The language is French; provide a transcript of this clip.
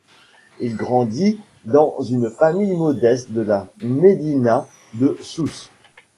Il grandit dans une famille modeste de la médina de Sousse.